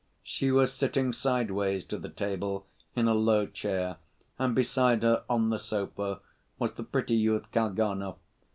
She was sitting sideways to the table in a low chair, and beside her, on the sofa, was the pretty youth, Kalganov.